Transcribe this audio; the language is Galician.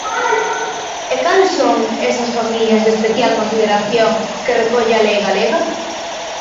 E ¿cales son esas familias de especial consideración que recolle a lei galega?